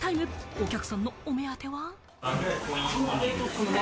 お客さんのお目当ては。